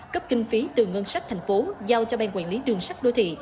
cấp kinh phí từ ngân sách thành phố giao cho ban quản lý đường sắt đô thị